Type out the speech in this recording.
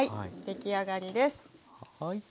出来上がりです。